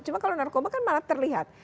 cuma kalau narkoba kan malah terlihat